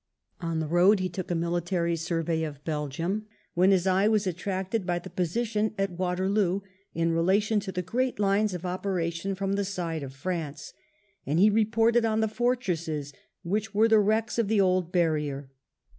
On his road he took a military survey of Belgium, when his eye was attracted by the position at Waterloo in relation to the great lines of operation from the side of France, and he reported on the fortresses which were the wrecks of the old Barrier.